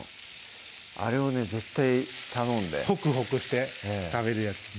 あれをね絶対頼んでホクホクして食べるやつですね